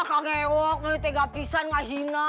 kak ngewok ini tidak bisa tidak bisa